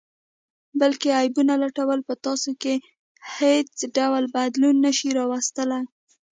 بل کې عیبونه لټول په تاسې کې حیڅ ډول بدلون نه شي راوستلئ